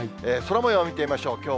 空もよう、見てみましょう。